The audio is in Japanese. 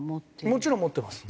もちろん持ってます。